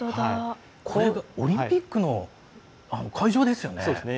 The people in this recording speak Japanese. オリンピックの会場ですよね。